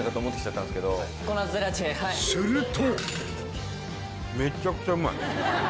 すると。